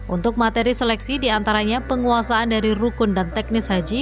untuk materi seleksi diantaranya penguasaan dari rukun dan teknis haji